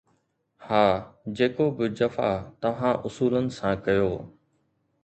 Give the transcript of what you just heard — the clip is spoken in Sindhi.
ها، جيڪو به جفا توهان اصولن سان ڪيو